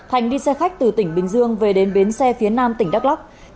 hành đi xe khách từ tỉnh bình dương về đến bến xe phía nam tỉnh đắk lắc